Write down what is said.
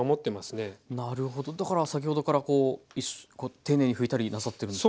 だから先ほどから丁寧に拭いたりなさってるんですか？